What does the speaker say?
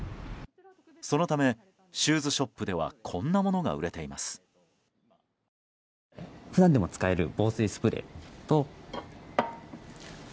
そのため、シューズショップではこんなものが売れています。